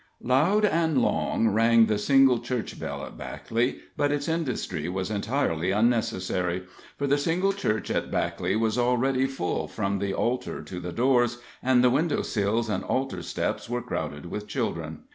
Loud and long rang the single church bell at Backley, but its industry was entirely unnecessary, for the single church at Backley was already full from the altar to the doors, and the window sills and altar steps were crowded with children.